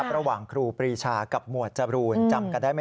ระหว่างครูปรีชากับมวดจบรูลจำกันได้ไหมฮะ